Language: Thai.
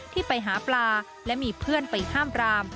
ที่ไปหาปลาและมีเพื่อนไปห้ามปราม